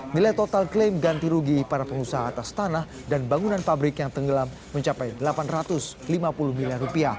nilai total klaim ganti rugi para pengusaha atas tanah dan bangunan pabrik yang tenggelam mencapai rp delapan ratus lima puluh miliar